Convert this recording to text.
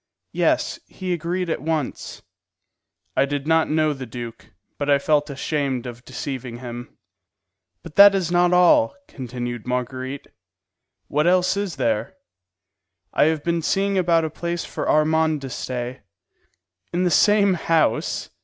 "Yes; he agreed at once." I did not know the duke, but I felt ashamed of deceiving him. "But that is not all," continued Marguerite. "What else is there?" "I have been seeing about a place for Armand to stay." "In the same house?"